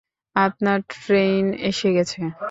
আপনার ট্রেইন এসে গেছে।